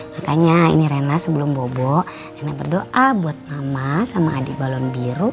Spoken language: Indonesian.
makanya ini rena sebelum bobo nenek berdoa buat mama sama adik balon biru